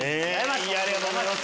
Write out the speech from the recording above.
ありがとうございます。